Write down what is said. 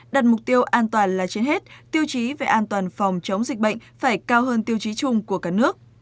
đặt mục tiêu an toàn là trên hết tiêu chí về an toàn phòng chống dịch bệnh phải cao hơn tiêu chí chung của cả nước